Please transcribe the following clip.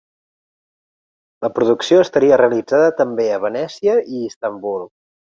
La producció estaria realitzada, també, a Venècia i Istanbul.